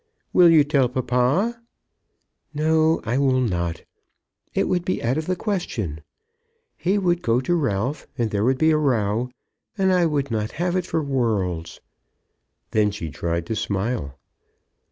"Will you tell papa?" "No; I will not. It would be out of the question. He would go to Ralph, and there would be a row, and I would not have it for worlds." Then she tried to smile.